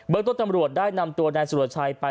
เบิร์กต้นตำรวจได้นำตัวแนนสุรชัยไป